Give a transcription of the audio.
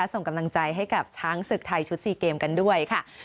ส่งกำลังใจให้กับช้างศึกไทยชุด๔เกมกันด้วยค่ะ